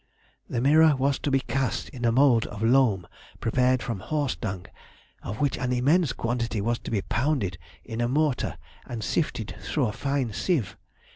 "The mirror was to be cast in a mould of loam prepared from horse dung, of which an immense quantity was to be pounded in a mortar and sifted through a fine sieve.